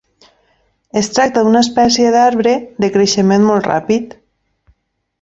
Es tracta d'una espècie d'arbre de creixement molt ràpid.